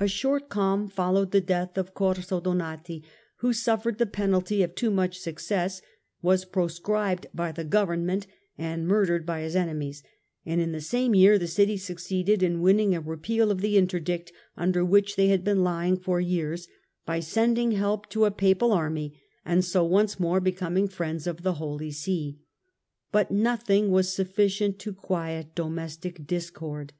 A short calm followed the death of Corso Donati, who suffered the penalty of too much success, was proscribed by the government, and murdered by his enemies ; and in the same year the city succeeded in winning a repeal of the Interdict, under which they had been lying for years, by sending help to a Papal army and so once more becoming friends of the Holy See ; but nothing was sufficient to quiet domestic dis cord.